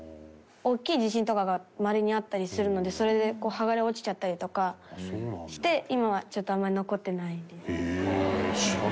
大きい地震とかがまれにあったりするのでそれで剥がれ落ちちゃったりとかして今はちょっとあんまり残ってないです。